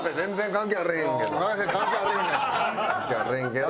関係あれへんけど。